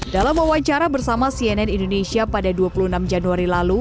dalam wawancara bersama cnn indonesia pada dua puluh enam januari lalu